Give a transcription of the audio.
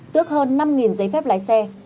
tước hơn năm giấy phép lái xe